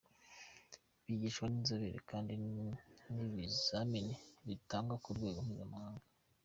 Bigishwa n’inzobere kandi n’ibizamini bitangwa ku rwego mpuzamahanga.